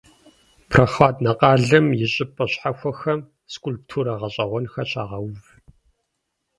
Прохладнэ къалэм и щӀыпӀэ щхьэхуэхэм скульптурэ гъэщӀэгъуэнхэр щагъэув.